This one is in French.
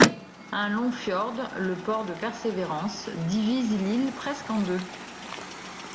Un long fjord, le port de Persévérance, divise l'île presque en deux.